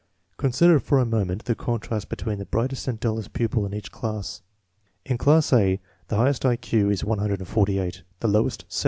Consider for a moment the contrast between the brightest and dullest pupil in each class. In class A the highest I Q is 148; the lowest, 78.